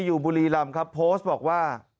อยู่บุรีรำครับโพสต์บอกว่า